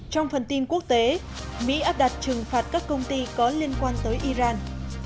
trong phần tin quốc tế mỹ áp đặt trừng phạt các công ty có liên quan tới iran